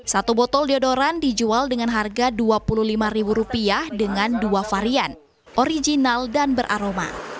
satu botol deodoran dijual dengan harga rp dua puluh lima dengan dua varian original dan beraroma